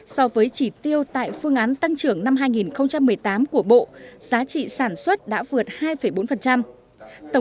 so với chỉ tiêu tại phương án tăng trưởng năm hai nghìn một mươi tám của bộ giá trị sản xuất đã vượt hai bốn